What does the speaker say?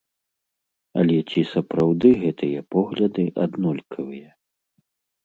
Але ці сапраўды гэтыя погляды аднолькавыя?